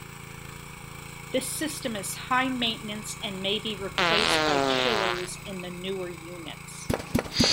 This system is high maintenance and may be replaced by chillers in newer units.